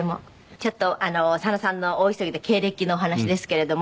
ちょっと佐野さんの大急ぎで経歴のお話ですけれども。